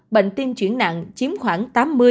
bệnh tiêm chuyển nạn chiếm khoảng tám mươi chín mươi năm